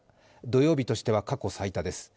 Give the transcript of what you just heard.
土曜日としては過去最多です。